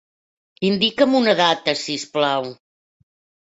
Indica'm una data, si us plau.